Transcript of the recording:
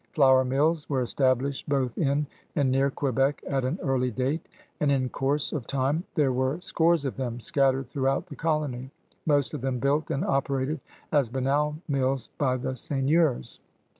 Flour mills were established both in and near Quebec at an early date, and in course of time there were scores of them scattered through out the colony, most of them built and operated as banal mills by the seigneurs.